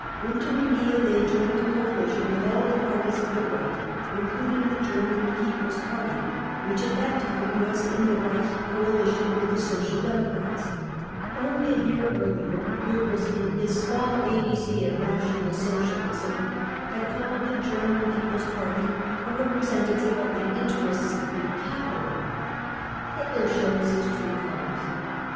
In Thuringia they joined a coalition with all the parties of the Right including the German People's » 1 36 BROWN BOOK OF THE HITLBflfc TERROR Party, whi<*h at that time was in the Refeh coalition with the Social Democrats. Only a year earlier Gcebbels, in his Smfltll ABC of National Socialism , had called the German People's Party a representative of the interests of big capital. Hitler Shows his True Colours.